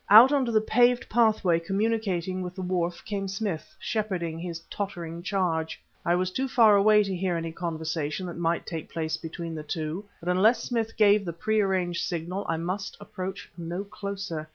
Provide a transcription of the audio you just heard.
Out onto the paved pathway communicating with the wharf came Smith, shepherding his tottering charge. I was too far away to hear any conversation that might take place between the two, but, unless Smith gave the pre arranged signal, I must approach no closer.